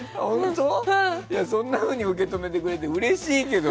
そんなふうに受け止めてくれてうれしいけど。